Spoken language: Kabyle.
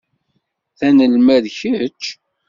D anelmad kečč?